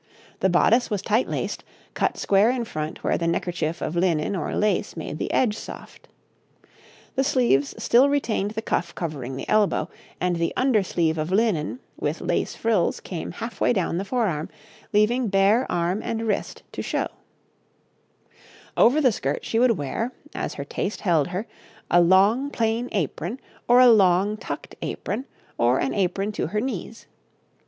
The bodice was tight laced, cut square in front where the neckerchief of linen or lace made the edge soft. The sleeves still retained the cuff covering the elbow, and the under sleeve of linen with lace frills came half way down the forearm, leaving bare arm and wrist to show. [Illustration: {Four women of the time of George II.}] Over the skirt she would wear, as her taste held her, a long, plain apron, or a long, tucked apron, or an apron to her knees.